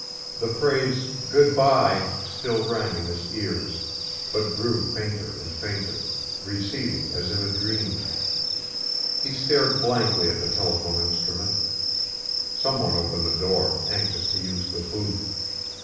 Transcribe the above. The phrase, "Good bye," still rang in his ears, but grew fainter and fainter, receding as in a dream. He stared blankly at the telephone instrument. Some one opened the door, anxious to use the booth.